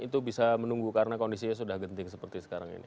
itu bisa menunggu karena kondisinya sudah genting seperti sekarang ini